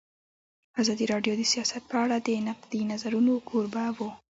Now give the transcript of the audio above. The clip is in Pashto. ازادي راډیو د سیاست په اړه د نقدي نظرونو کوربه وه.